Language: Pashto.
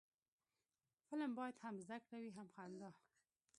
فلم باید هم زده کړه وي، هم خندا